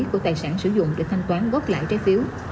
của tài sản sử dụng để thanh toán gốc lại trái phiếu